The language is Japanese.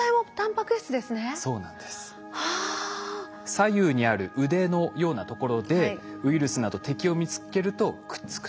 左右にある腕のようなところでウイルスなど敵を見つけるとくっつくと。